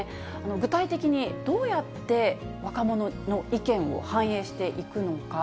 具体的にどうやって若者の意見を反映していくのか。